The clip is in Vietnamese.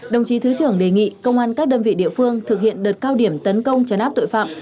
đồng chí thứ trưởng đề nghị công an các đơn vị địa phương thực hiện đợt cao điểm tấn công chấn áp tội phạm